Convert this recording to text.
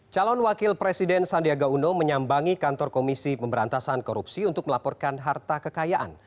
calon wakil presiden sandiaga uno menyambangi kantor komisi pemberantasan korupsi untuk melaporkan harta kekayaan